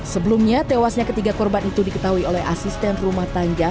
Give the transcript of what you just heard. sebelumnya tewasnya ketiga korban itu diketahui oleh asisten rumah tangga